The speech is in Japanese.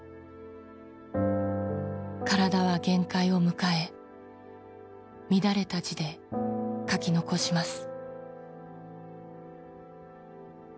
体は限界を迎え乱れた字で書き残します。